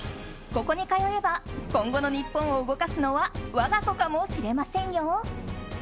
ここに通えば今後の日本を動かすのは我が子かもしれませんよ。